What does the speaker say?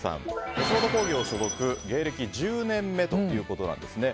吉本興業所属、芸歴１０年目ということなんですね。